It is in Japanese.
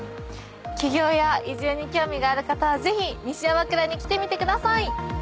起業や移住に興味がある方はぜひ西粟倉に来てみてください。